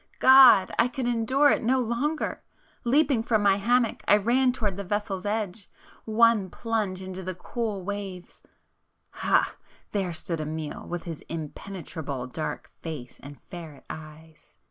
... God!—I could endure it no longer! Leaping from my hammock, I ran towards the vessel's edge, ... one plunge into the cool waves, ... ha!—there stood Amiel, with his impenetrable dark face and ferret eyes!